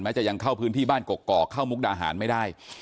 จะยังเข้าพื้นที่บ้านกกอกเข้ามุกดาหารไม่ได้